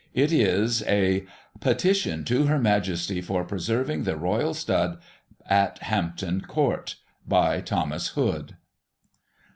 It is a Petition to Her Majesty for Preserving the Royal Stud at Hampton Court. By Thomas Hood.